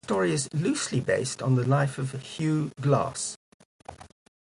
The story is loosely based on the life of Hugh Glass.